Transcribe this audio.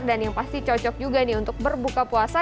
dan yang pasti cocok juga nih untuk berbuka puasa